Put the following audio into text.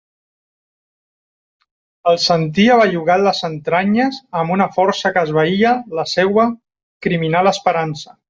El sentia bellugar en les entranyes amb una força que esvaïa la seua criminal esperança.